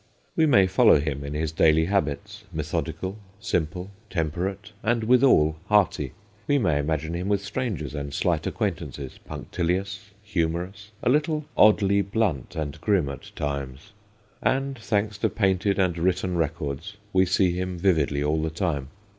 We may follow him in his daily habits, methodical, simple, temperate, and withal hearty. We may imagine him with strangers and slight acquaintances, punctilious, humorous, a little oddly blunt and grim at times. And, thanks to painted and written records, we see him vividly all the time.